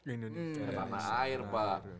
indonesia paman air pak